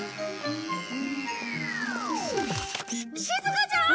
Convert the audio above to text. しずかちゃん！